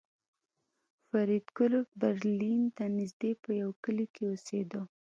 فریدګل برلین ته نږدې په یوه کلي کې اوسېده